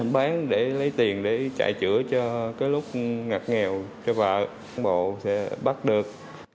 bán để lấy tiền để chạy chữa cho cái lúc ngặt nghèo cho vợ cán bộ sẽ bắt được